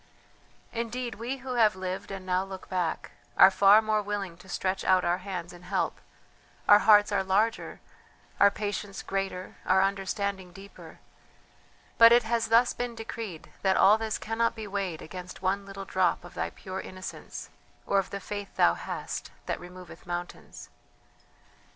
Indeed, we who have lived and now look back, are far more willing to stretch out our hands in help; our hearts are larger, our patience greater, our understanding deeper; but it has thus been decreed that all this cannot be weighed against one little drop of thy pure innocence or of the faith thou hast, that removeth mountains."